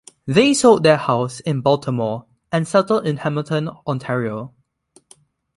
They sold their house in Baltimore and settled in Hamilton, Ontario.